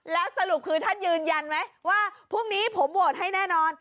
แล้วสรุปคือท่านยืนยันไหมว่าพรุ่งนี้ผมโหวตให้แน่นอน